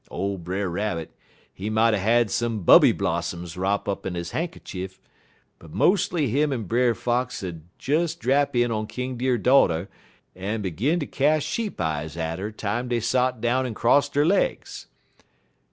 Ole Brer Rabbit, he mouter had some bubby blossoms wrop up in his hankcher, but mostly him en Brer Fox 'ud des drap in on King Deer daughter en 'gin ter cas' sheep eyes at 'er time dey sot down en cross der legs."